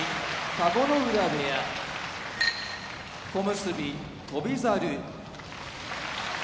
田子ノ浦部屋小結・翔猿